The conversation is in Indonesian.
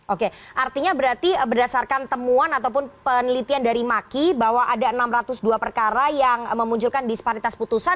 oke artinya berarti berdasarkan temuan ataupun penelitian dari maki bahwa ada enam ratus dua perkara yang memunculkan disparitas putusan